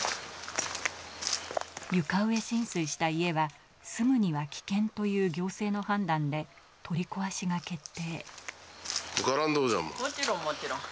床上浸水した家は、住むには危険という行政の判断で取り壊しが決定。